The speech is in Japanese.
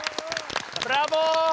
ブラボー！